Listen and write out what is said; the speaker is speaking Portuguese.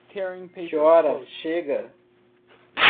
Que horas chega?